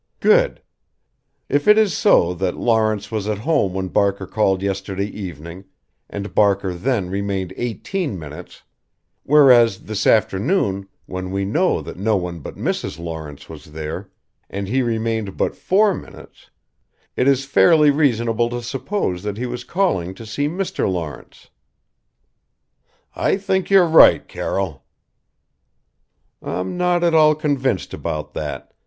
"Good. If it is so that Lawrence was at home when Barker called yesterday evening and Barker then remained eighteen minutes; whereas this afternoon, when we know that no one but Mrs. Lawrence was there and he remained but four minutes it is fairly reasonable to suppose that he was calling to see Mr. Lawrence." "I think you're right, Carroll." "I'm not at all convinced about that.